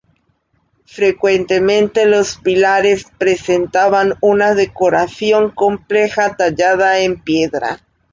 Frecuentemente los pilares presentaban una decoración compleja tallada en piedra.